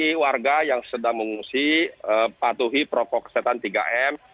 bagi warga yang sedang mengungsi patuhi protokol kesehatan tiga m